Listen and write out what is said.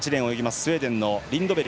スウェーデンのリンドベリ。